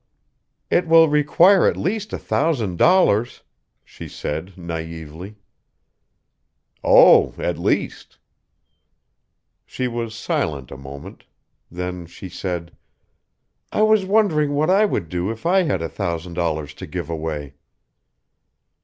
"It will require at least a thousand dollars," she said naïvely. "Oh, at least." She was silent a moment. Then she said: "I was wondering what I would do if I had a thousand dollars to give away."